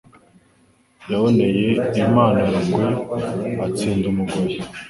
Yaboneye Imana Rugwe atsinda umugoyi